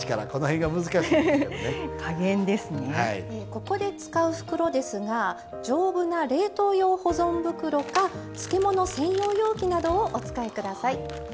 ここで使う袋ですが丈夫な冷凍用保存袋か漬物専用容器などをお使いください。